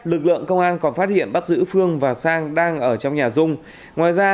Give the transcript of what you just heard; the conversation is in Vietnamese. lực lượng công an còn phát hiện bắt giữ phương và sang đang ở trong nhà dung ngoài ra